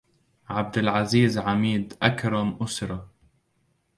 عبد العزيز عميد أكرم أسرة